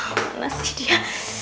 mana sih dia